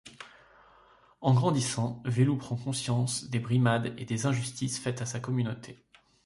En grandissant, Vélou prend conscience des brimades et des injustices faites à sa communauté.